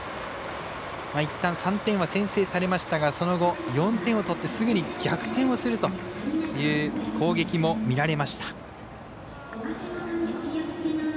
いったん３点は先制されましたがその後、４点を取ってすぐに逆転をするという攻撃も見られました。